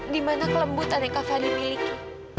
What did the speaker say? dimana kelembutan yang kak fadil miliki